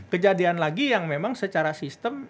kejadian lagi yang memang secara sistem